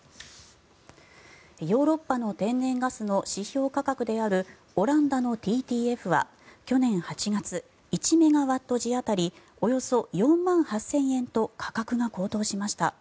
ヨーロッパの天然ガスの指標価格であるオランダのＴＴＦは去年８月１メガワット時当たりおよそ４万８０００円と価格が高騰しました。